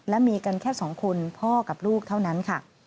และมีกันแค่๒คนพ่อกับลูกเท่านั้นค่ะ